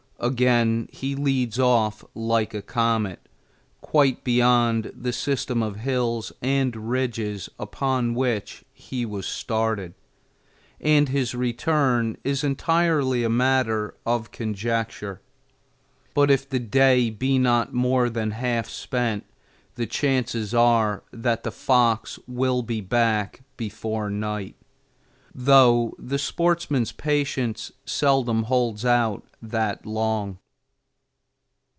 Again he leads off like a comet, quite beyond the system of hills and ridges upon which he was started, and his return is entirely a matter of conjecture; but if the day be not more than half spent, the chances are that the fox will be back before night, though the sportsman's patience seldom holds out that long.